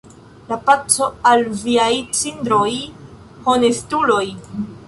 Paco al viaj cindroj, honestuloj!